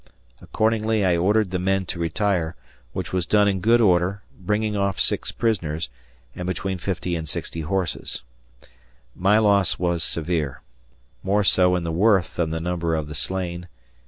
Accordingly, I ordered the men to retire, which was done in good order, bringing off 6 prisoners, and between 50 and 60 horses. My loss was severe; more so in the worth than the number of the slain.